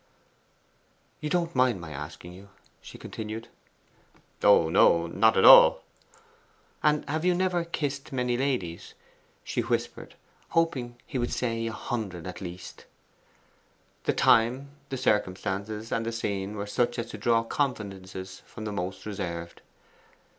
'You don't mind my asking you?' she continued. 'Oh no not at all.' 'And have you never kissed many ladies?' she whispered, hoping he would say a hundred at the least. The time, the circumstances, and the scene were such as to draw confidences from the most reserved.